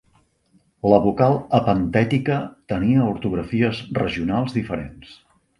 La vocal epentètica tenia ortografies regionals diferents.